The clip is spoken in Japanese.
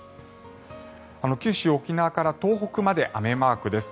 九州、沖縄から東北まで雨マークです。